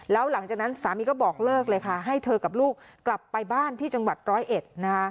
แล้วหลังจากนั้นสามีก็บอกเลิกเลยค่ะให้เธอกับลูกกลับไปบ้านที่จังหวัดร้อยเอ็ดนะคะ